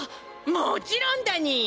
もちろんだに。